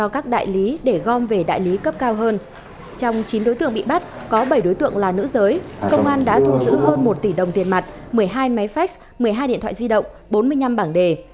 công an đã thu giữ hơn một tỷ đồng tiền mặt một mươi hai máy fax một mươi hai điện thoại di động bốn mươi năm bảng đề